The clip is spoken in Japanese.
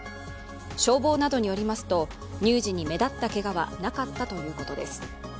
消防などによりますと、乳児に目立ったけがはなかったということです。